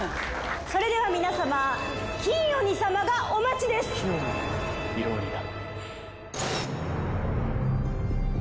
それでは皆様金鬼様がお待ちです・金鬼・色鬼だ